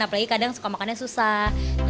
apalagi kadang suka makannya susah